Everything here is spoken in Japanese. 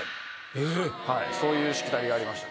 そういうしきたりがありました。